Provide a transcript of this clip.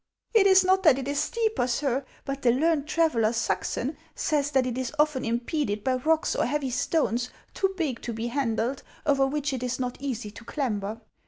" It is not that it is steeper, sir, but the learned trav eller, Suckson, says that it is often impeded by rocks or heavy stones too big to be handled, over which it is not easy to clamber.